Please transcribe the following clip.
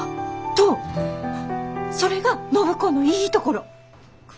それが暢子のいいところ！